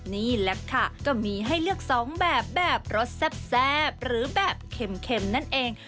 นี่แหละค่ะก็มีให้เลือกสองแบบแบบรสแซ่บหรือแบบเค็มนั่นเอง